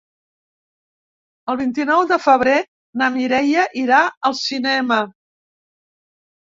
El vint-i-nou de febrer na Mireia irà al cinema.